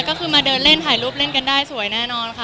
ก็คือมาเดินเล่นถ่ายรูปเล่นกันได้สวยแน่นอนค่ะ